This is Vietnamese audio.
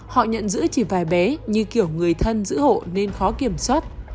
họ nhận giữ chỉ vài bé như kiểu người thân giữ hộ nên khó kiểm soát